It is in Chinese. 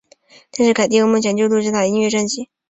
但是凯蒂有个梦想就是录制她的音乐专辑。